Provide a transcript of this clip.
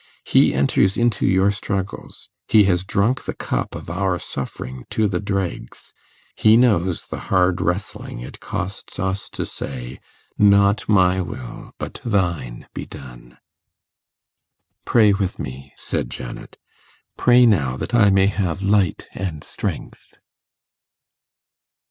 He enters into your struggles; he has drunk the cup of our suffering to the dregs; he knows the hard wrestling it costs us to say, "Not my will, but Thine be done."' 'Pray with me,' said Janet 'pray now that I may have light and strength.